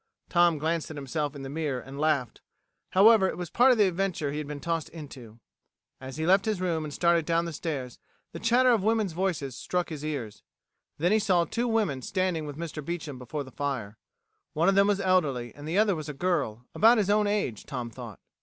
Tom glanced at himself in the mirror and laughed. However, it was part of the adventure he had been tossed into. As he left his room and started down the stairs, the chatter of women's voices struck his ears. Then he saw two women standing with Mr. Beecham before the fire. One of them was elderly, and the other was a girl about his own age, Tom thought.